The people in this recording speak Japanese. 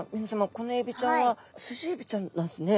このエビちゃんはスジエビちゃんなんですね。